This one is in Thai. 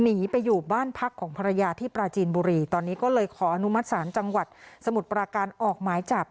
หนีไปอยู่บ้านพักของภรรยาที่ปราจีนบุรีตอนนี้ก็เลยขออนุมัติศาลจังหวัดสมุทรปราการออกหมายจับ